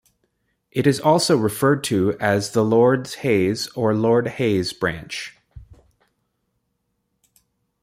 It is also referred to as the Lords Hayes or Lord Hay's branch.